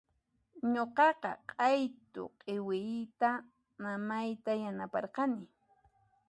Nuqaqa q'aytu khiwiyta mamayta yanaparqani.